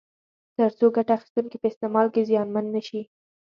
تر څو ګټه اخیستونکي په استعمال کې زیانمن نه شي.